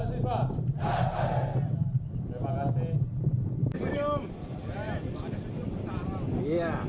siap rangkai ya